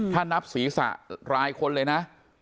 ถ้านับศีรษะรายคนเลยนะ